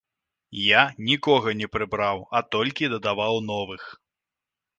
Я нікога не прыбраў, а толькі дадаваў новых.